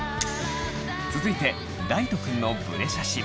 続いて大翔くんのブレ写真。